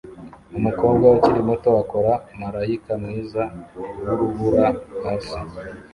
Umukobwa ukiri muto akora marayika mwiza wurubura hasi